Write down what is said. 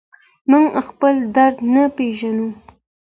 موږ خپل درد نه پېژنو.